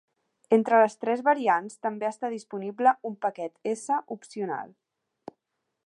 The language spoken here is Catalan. Entre les tres variants, també està disponible un paquet S opcional.